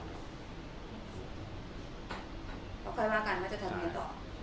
แล้วค่อยว่ากันก็จะทำยังไงต่อ